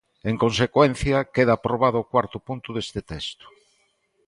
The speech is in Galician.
En consecuencia, queda aprobado o cuarto punto deste texto.